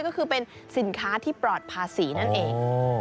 ก็คือเป็นสินค้าที่ปลอดภาษีนั่นเอง